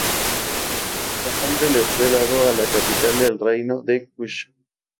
Tal nombre le fue dado a la capital del Reino de Kush.